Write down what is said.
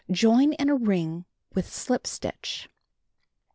Join in a ring with slip stitch.